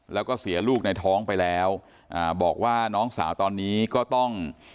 แล้วก็เสียลูกในท้องไปแล้วอ่าบอกว่าน้องสาวตอนนี้ก็ต้อง